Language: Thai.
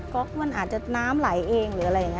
ก๊อกมันอาจจะน้ำไหลเอง